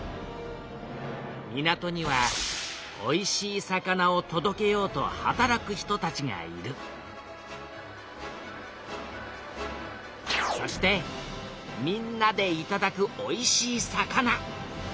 港にはおいしい魚をとどけようと働く人たちがいるそしてみんなでいただくおいしい魚。